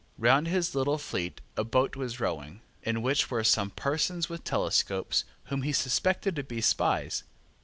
Round his little fleet a boat was rowing, in which were some persons with telescopes whom he suspected to be spies.